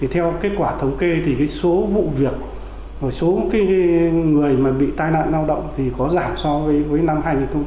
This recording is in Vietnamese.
theo kết quả thống kê thì số vụ việc số người bị tai nạn lao động thì có giảm so với năm hai nghìn một mươi tám